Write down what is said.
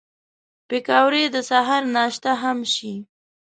پکورې د سهر ناشته هم شي